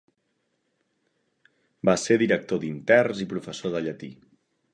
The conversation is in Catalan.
Va ser director d'interns i professor de llatí.